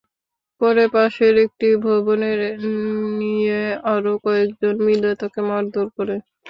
পরে পাশের একটি ভবনের নিয়ে আরও কয়েকজন মিলে তাকে মারধর করে।